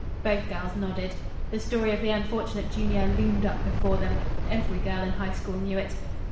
Both girls nodded. The story of the unfortunate junior loomed up before them. Every girl in High School knew it.